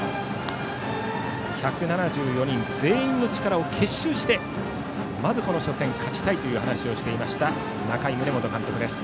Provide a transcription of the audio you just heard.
１７４人全員の力を結集してまず、この初戦勝ちたいという話をしていました仲井宗基監督です。